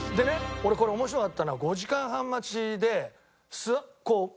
俺これ面白かったのは５時間半待ちでなんかね。